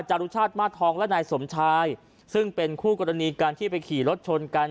รุชาติมาสทองและนายสมชายซึ่งเป็นคู่กรณีการที่ไปขี่รถชนกัน